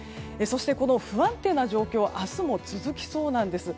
この不安定な状況は明日も続きそうなんです。